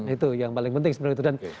itu yang paling penting sebenarnya itu